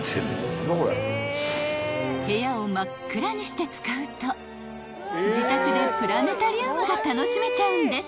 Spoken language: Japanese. ［部屋を真っ暗にして使うと自宅でプラネタリウムが楽しめちゃうんです］